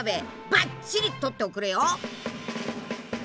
ばっちり撮っておくれよ！